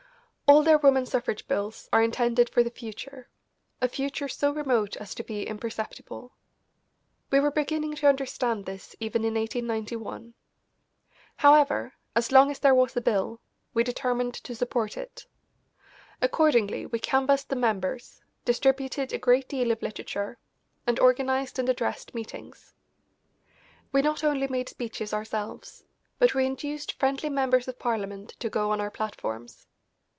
All their woman suffrage bills are intended for the future, a future so remote as to be imperceptible. We were beginning to understand this even in 1891. However, as long as there was a bill, we determined to support it. Accordingly, we canvassed the members, distributed a great deal of literature, and organised and addressed meetings. We not only made speeches ourselves, but we induced friendly members of Parliament to go on our platforms.